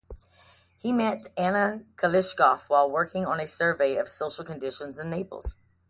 He met Anna Kulischov while working on a survey of social conditions in Naples.